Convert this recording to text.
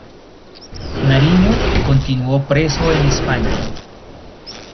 Nariño continuó preso en España.